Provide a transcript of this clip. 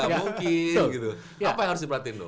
apa yang harus diperhatiin lo